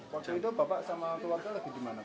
waktu itu bapak sama keluarga lagi di mana pak